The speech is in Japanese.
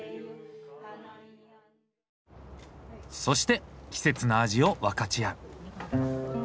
そして季節の味を分かち合う。